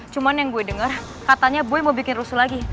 cuman yang gue denger katanya gue mau bikin rusuh lagi